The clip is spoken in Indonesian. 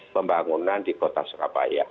pembangunan di kota surabaya